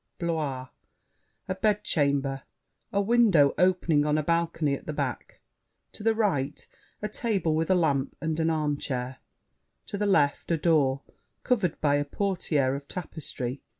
—Blois. A bed chamber. A window opening on a balcony at the back. To the right, a table with a lamp, and an armchair. To the left a door, covered by a portière of tapestry.